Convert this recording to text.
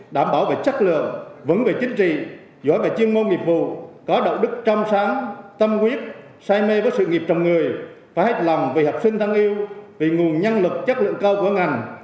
đảm bảo về chất lượng vững về chính trị giỏi về chuyên môn nghiệp vụ có đạo đức trăm sáng tâm quyết say mê với sự nghiệp chồng người phải hết lòng vì học sinh thân yêu vì nguồn nhân lực chất lượng cao của ngành